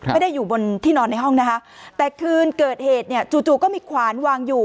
ไม่ได้อยู่บนที่นอนในห้องนะคะแต่คืนเกิดเหตุเนี่ยจู่จู่ก็มีขวานวางอยู่